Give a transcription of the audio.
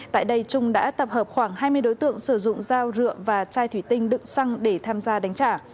tại đây trung đã tập hợp khoảng hai mươi đối tượng sử dụng dao rượu và chai thủy tinh đựng xăng để tham gia đánh trả